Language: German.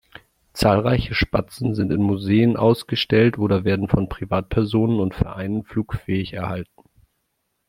Zahlreiche Spatzen sind in Museen ausgestellt oder werden von Privatpersonen und Vereinen flugfähig erhalten.